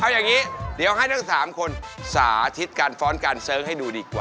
เอาอย่างนี้เดี๋ยวให้ทั้ง๓คนสาธิตการฟ้อนการเสิร์คให้ดูดีกว่า